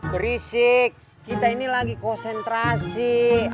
berisik kita ini lagi konsentrasi